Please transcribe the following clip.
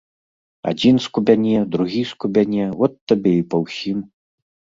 Адзін скубяне, другі скубяне, от табе і па ўсім.